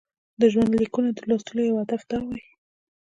د ژوندلیکونو د لوستلو یو هدف دا وي.